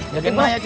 jatuhin lah ya cuy